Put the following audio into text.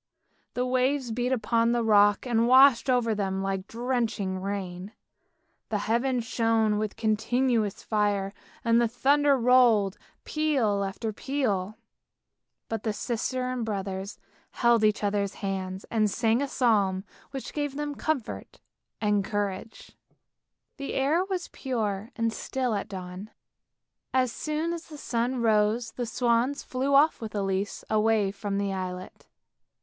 The waves beat upon the rock, and washed over them like drenching rain. The heaven shone with continuous fire, and the thunder rolled, peal upon peal. But the sister and brothers held each other's hands and sang a psalm which gave them comfort and courage. THE WILD SWANS 45 The air was pure and still at dawn. As soon as the sun rose the swans flew off with Elise, away from the islet.